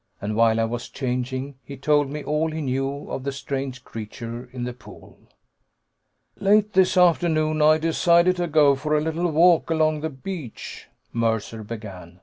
And while I was changing, he told me all he knew of the strange creature in the pool. "Late this afternoon I decided to go for a little walk along the beach," Mercer began.